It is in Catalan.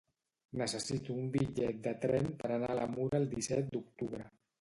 Necessito un bitllet de tren per anar a Mura el disset d'octubre.